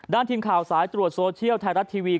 ทีมข่าวสายตรวจโซเชียลไทยรัฐทีวี